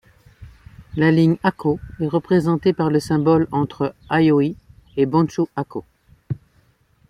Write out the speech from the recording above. La ligne Akō est représentée par le symbole entre Aioi et Banshū-Akō.